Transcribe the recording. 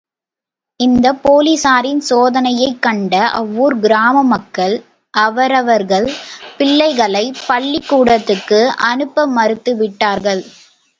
இந்த போலீசாரின் சோதனையைக் கண்ட அவ்வூர் கிராமமக்கள், அவரவர்கள் பிள்ளைகளை பள்ளிக் கூடத்துக்கு அனுப்ப மறுத்து விட்டார்கள்.